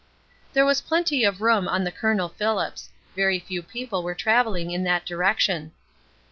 There was plenty of room on the Colonel Phillips. Very few people were traveling in that direction.